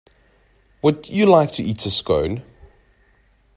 Would you like to eat a Scone?